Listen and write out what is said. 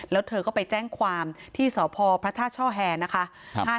แล้วเธอก็ไปแจ้งความที่สพพระท่าช่อแห่นะคะ